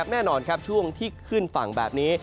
แน่นอนช่วงที่ขึ้นฝั่งแบบนี้